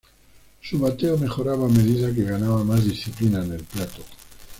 Su bateo mejoraba a medida que ganaba más disciplina en el plato.